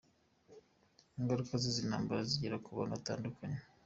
Ingaruka z’izi ntambara zigera ku bantu batandukanye.